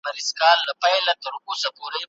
کاردستي د ماشومانو ذهني ځواک پراخوي.